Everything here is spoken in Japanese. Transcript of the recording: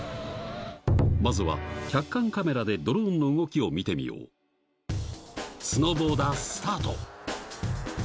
まずは客観カメラでドローンの動きを見てみようスノーボーダースタート！